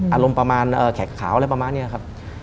อารมณ์ประมาณแขกขาวอะไรประมาณนี้ครับ